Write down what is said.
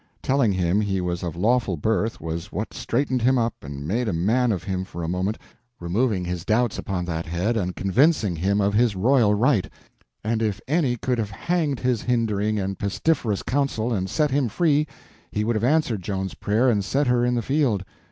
Telling him he was of lawful birth was what straightened him up and made a man of him for a moment, removing his doubts upon that head and convincing him of his royal right; and if any could have hanged his hindering and pestiferous council and set him free, he would have answered Joan's prayer and set her in the field.